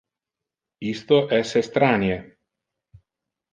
Isto es estranie.